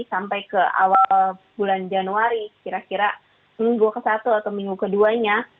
sampai ke awal bulan januari kira kira minggu ke satu atau minggu keduanya